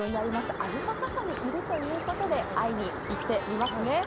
アルパカ舎にいるということで会いに行ってみますね。